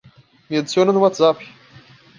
Me adiciona no WhatsApp